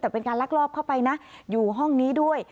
แต่เป็นการลักลอบเข้าไปนะอยู่ห้องนี้ด้วย